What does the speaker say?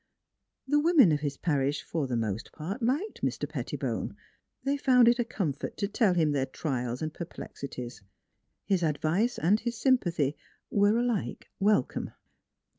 The women of his parish, for the most part, liked Mr. Pettibone. They found it a comfort to tell him their trials and perplexities. His advice and his sympathy were alike welcome.